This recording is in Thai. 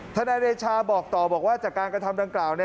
นายเดชาบอกต่อบอกว่าจากการกระทำดังกล่าว